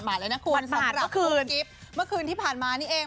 ๒๙หมาดเลยนะคุณสำหรับคลิปเมื่อคืนที่ผ่านมานี่เอง